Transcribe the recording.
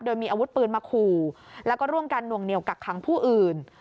โดยมีอาวุธปืนมาขู่แล้วก็ร่วมกันหน่วงเหนียวกักขังผู้อื่น